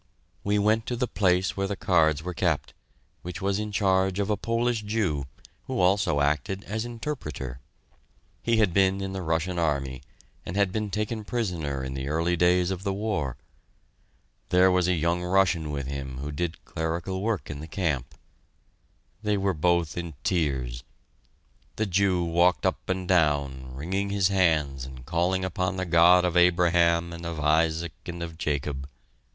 We went to the place where the cards were kept, which was in charge of a Polish Jew, who also acted as interpreter. He had been in the Russian Army, and had been taken prisoner in the early days of the war. There was a young Russian with him who did clerical work in the camp. They were both in tears. The Jew walked up and down, wringing his hands and calling upon the God of Abraham and of Isaac and of Jacob!